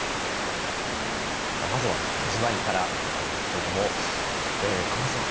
まずは味わいから見てまいりましたけれども川端さん